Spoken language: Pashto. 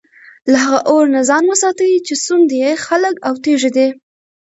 له هغه اور نه ځان وساتئ چي سوند ئې خلك او تيږي دي